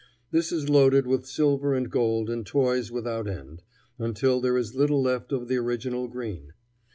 This is loaded with silver and gold and toys without end, until there is little left of the original green.